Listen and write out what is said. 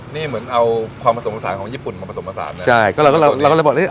นี่เหมือนเอาความผสมผสานของญี่ปุ่นมาผสมผสานนะใช่ก็เราก็เราเราก็เลยบอกเฮ้